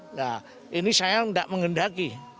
nah ini saya tidak menghendaki